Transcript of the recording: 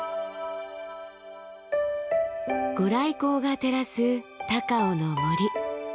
御来光が照らす高尾の森。